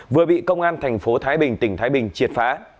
vừa bị công an tp thái bình tỉnh thái bình triệt phá